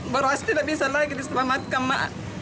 beras tidak bisa lagi diselamatkan mak